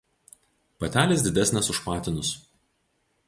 Patelės didesnės už patinus.